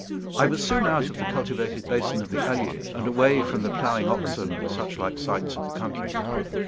I was soon out of the cultivated basin of the Allier, and away from the ploughing oxen and such like sights of the country.